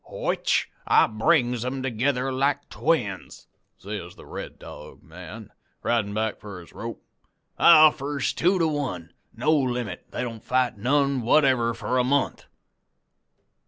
"'Which I brings 'em together like twins,' says the Red Dog man, ridin' back for his rope. 'I offers two to one, no limit, they don't fight none whatever for a month.'